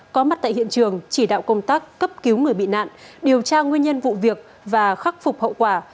có mặt tại hiện trường chỉ đạo công tác cấp cứu người bị nạn điều tra nguyên nhân vụ việc và khắc phục hậu quả